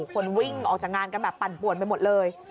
คนวิ่งออกจากงานกันแบบปั่นป่วนไปหมดเลย